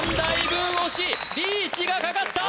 文押しリーチがかかった！